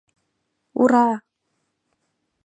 — Ура!